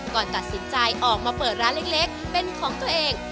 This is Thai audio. ก่อนตัดสินใจออกมาเปิดร้านเล็กเป็นของตัวเอง